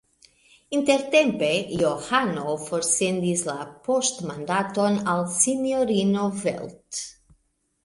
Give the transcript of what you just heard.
Intertempe Johano forsendis la poŝtmandaton al sinjorino Velt.